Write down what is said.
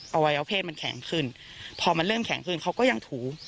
วัยวะเพศมันแข็งขึ้นพอมันเริ่มแข็งขึ้นเขาก็ยังถู